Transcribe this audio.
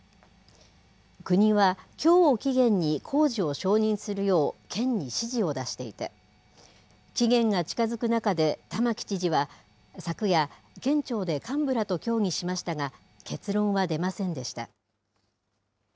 国はきょうを期限に工事を承認するよう、県に指示を出していて、期限が近づく中で玉城知事は、昨夜、県庁で幹部らと協議しましたが、結論は出ませんでした。